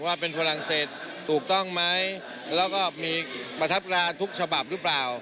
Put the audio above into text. ว่าเป็นฝรั่งเศสถูกต้องไหมแล้วก็มีประทับราทุกฉบับหรือเปล่า